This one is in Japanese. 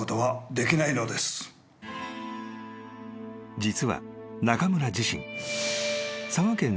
［実は中村自身］